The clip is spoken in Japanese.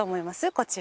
こちら。